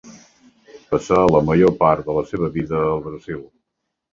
Passà la major part de la seva vida al Brasil.